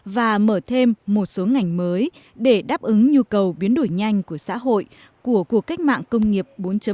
và mở thêm một số ngành mới để đáp ứng nhu cầu biến đổi nhanh của xã hội của cuộc cách mạng công nghiệp bốn